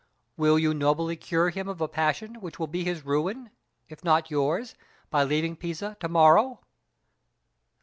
"Will you nobly cure him of a passion which will be his ruin, if not yours, by leaving Pisa to morrow?"